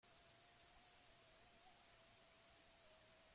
Ea bada, bukatu dira aitzakiak.